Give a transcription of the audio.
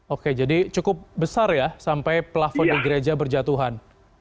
oke jadi cukup besar ya sampai plafon di gereja berjatuhan